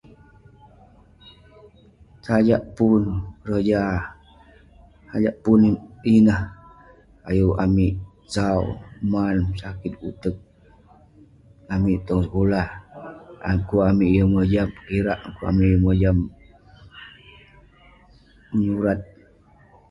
Sajak pun keroja..sajak pun inah ayuk amik sau..man..sakit uteg amik tong sekulah, yah dukuk amik yeng mojap kirak, dukuk amik yeng mojam menyurat..